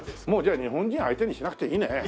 もうじゃあ日本人相手にしなくていいね。